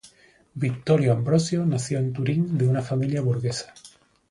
Vittorio Ambrosio nació en Turín de una familia burguesa.